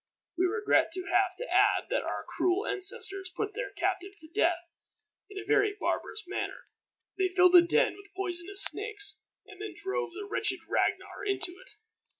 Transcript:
We regret to have to add that our cruel ancestors put their captive to death in a very barbarous manner. They filled a den with poisonous snakes, and then drove the wretched Ragnar into it.